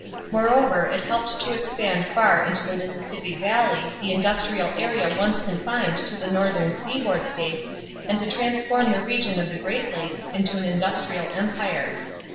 Moreover it helped to expand far into the Mississippi Valley the industrial area once confined to the Northern seaboard states and to transform the region of the Great Lakes into an industrial empire.